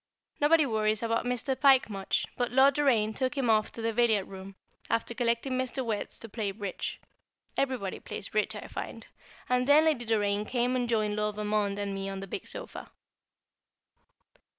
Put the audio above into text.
Nobody worries about Mr. Pike much; but Lord Doraine took him off to the billiard room, after collecting Mr. Wertz, to play "Bridge" everybody plays "Bridge," I find and then Lady Doraine came and joined Lord Valmond and me on the big sofa.